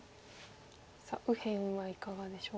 さあ右辺はいかがでしょう？